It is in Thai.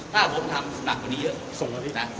ถ้าผมทำหนักกว่านี่เยอะ